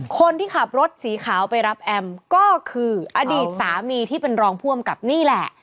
คนที่ขับรถสีขาวไปรับแอมก็คืออดีตสามีที่เป็นรองผู้อำกับนี่แหละ